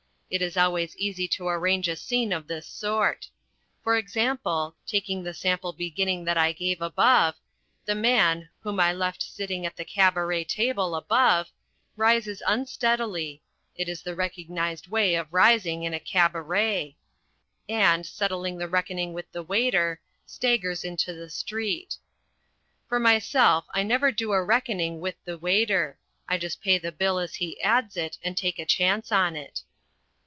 It is always easy to arrange a scene of this sort. For example, taking the sample beginning that I gave above, The Man, whom I left sitting at the cabaret table, above, rises unsteadily it is the recognised way of rising in a cabaret and, settling the reckoning with the waiter, staggers into the street. For myself I never do a reckoning with the waiter. I just pay the bill as he adds it, and take a chance on it.